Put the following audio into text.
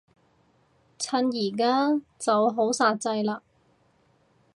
趁而家就好煞掣嘞